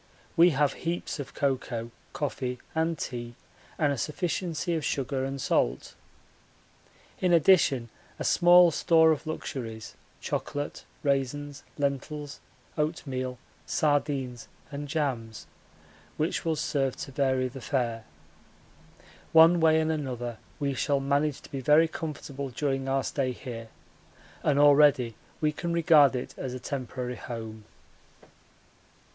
We have heaps of cocoa, coffee, and tea, and a sufficiency of sugar and salt. In addition a small store of luxuries, chocolate, raisins, lentils, oatmeal, sardines, and jams, which will serve to vary the fare. One way and another we shall manage to be very comfortable during our stay here, and already we can regard it as a temporary home.